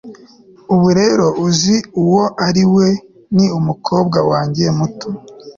Ubu rero uzi uwo ari we ni umukobwa wanjye muto